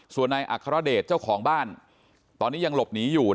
ส่วนนายอัครเดชเจ้าของบ้านตอนนี้ยังหลบหนีอยู่